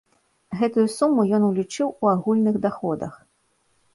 Гэтую суму ён улічыў у агульных даходах.